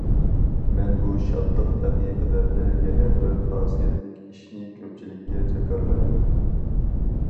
مەن بۇ شادلىق دەقىقىلەردە يەنە بىر خاسىيەتلىك ئىشنى كۆپچىلىككە جاكارلايمەن!